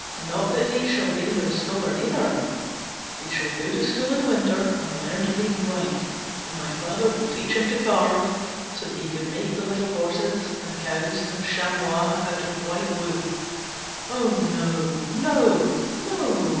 Not that he shall be no scholar neither. He shall go to school in winter, and learn to read and write, and my father will teach him to carve, so that he can make the little horses, and cows, and chamois, out of white wood. Oh, No! No! No!